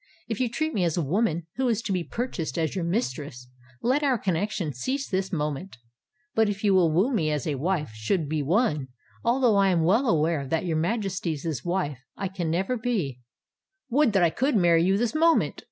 If you treat me as a woman who is to be purchased as your mistress, let our connexion cease this moment: but if you will woo me as a wife should be won—although I am well aware that your Majesty's wife I can never be——" "Would that I could marry you this moment!"